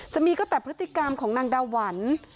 จะมีก็แต่พฤติกรรมของนางดาหวัน